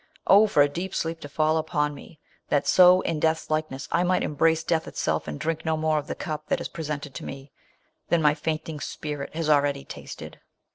Oh ! tor a deep sleep to fall upon me ! That so, iu death's likeness, I might embrace death itself, and drink no more of the cup that is presented to me, than my fainting spirit has already tasted